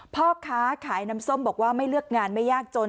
พ่อค้าขายน้ำส้มบอกว่าไม่เลือกงานไม่ยากจน